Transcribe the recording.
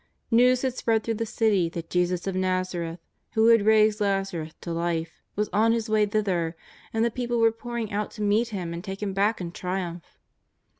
I^ews had spread through the City that Jesus of ISTazareth, who had raised Lazarus to life, was on His way thither, and the people were pouring out to meet Him and take Him back in triumph.